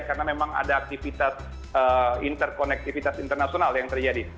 karena memang ada aktivitas interkonektivitas internasional yang terjadi